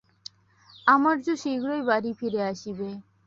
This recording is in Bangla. আমার জো শীঘ্রই বাড়ি ফিরে আসবে।